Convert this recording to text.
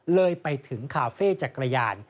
เลยไปถึงคาเฟ่จักรยาน